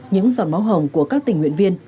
những giọt máu hồng của các tỉnh huyện viên